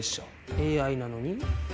ＡＩなのに？